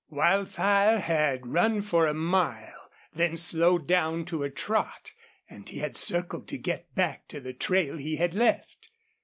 Wildfire had run for a mile, then slowed down to a trot, and he had circled to get back to the trail he had left.